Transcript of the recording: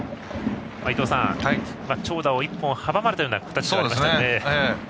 伊東さん、長打を１本阻まれたような形となりましたね。